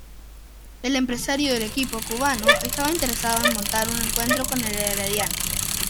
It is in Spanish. El empresario del equipo cubano estaba interesado en montar un encuentro con el Herediano.